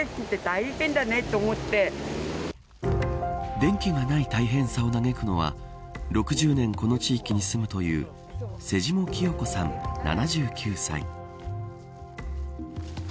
電気がない大変さを嘆くのは６０年この地域に住むという瀬下喜代子さん、７９歳。